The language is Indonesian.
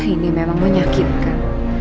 ini memang menyakitkan